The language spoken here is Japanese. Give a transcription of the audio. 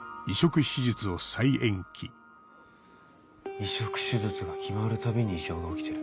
移植手術が決まるたびに異常が起きてる。